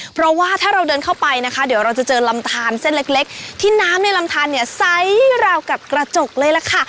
เพราะว่าถ้าเราเดินเข้าไปนะคะเดี๋ยวเราจะเจอลำทานเส้นเล็กที่น้ำในลำทานเนี่ยไซส์ราวกับกระจกเลยล่ะค่ะ